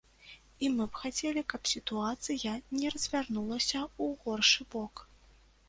І мы б хацелі, каб сітуацыя не развярнулася ў горшы бок.